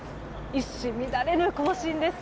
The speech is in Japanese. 一糸乱れぬ行進です。